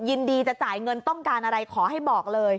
ยินดีจะจ่ายเงินต้องการอะไรขอให้บอกเลย